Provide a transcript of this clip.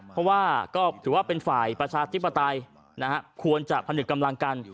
เพราะว่าก็ถือว่าเป็นฝ่ายประชาธิปไตยควรจะผนึกกำลังกัน